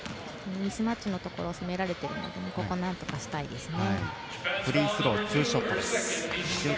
ミスマッチのところを攻められてるのでここ、なんとかしたいですね。